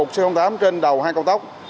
xe không tám trên đầu hai cầu tốc